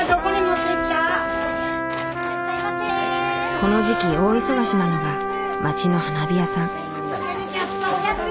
この時期大忙しなのが町の花火屋さん。